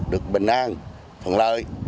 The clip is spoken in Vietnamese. được bình an phần lợi